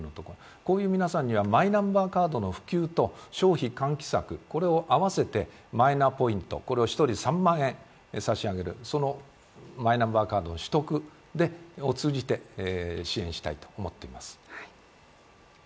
こういう皆さんにはマイナンバーカードの普及と消費喚起策あわせてマイナポイントを１人３万円差し上げるそのマイナンバーカードの取得を通じて支援したいと思っています。